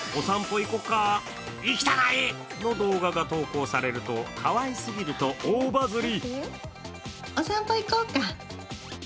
行こか、行きたない！の動画が投稿されるとかわいすぎると大バズり。